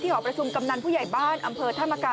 หอประชุมกำนันผู้ใหญ่บ้านอำเภอธรรมกา